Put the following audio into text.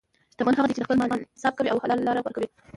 شتمن هغه دی چې د خپل مال حساب کوي او حلال لاره غوره کوي.